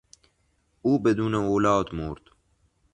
او بدون اولاد مرد.